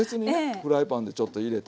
フライパンでちょっと入れた